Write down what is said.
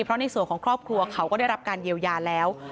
เพราะในส่วนของครอบครัวเขาก็ได้รับการเยียวยาแล้ว